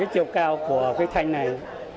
cái chiều cao của cái thanh này